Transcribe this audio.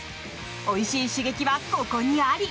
おいしい刺激はここにあり！